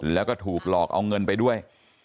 แล้วก็ถูกหลอกเอาเงินไปด้วย